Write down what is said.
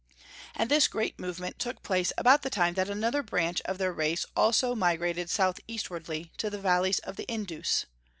And this great movement took place about the time that another branch of their race also migrated southeastwardly to the valleys of the Indus.